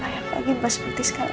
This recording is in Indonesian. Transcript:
ayam lagi mantap seperti sekarang